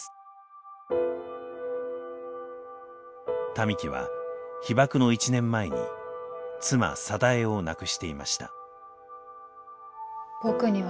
民喜は被爆の１年前に妻貞恵を亡くしていました。